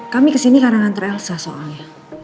kami kesini kadang kadang ter elsa soalnya